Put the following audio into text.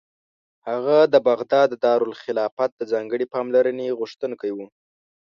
هغه د بغداد د دارالخلافت د ځانګړې پاملرنې غوښتونکی و.